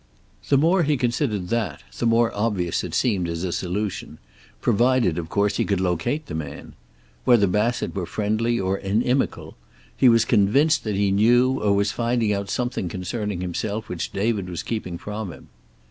The more he considered that the more obvious it seemed as a solution, provided of course he could locate the man. Whether Bassett were friendly or inimical, he was convinced that he knew or was finding out something concerning himself which David was keeping from him.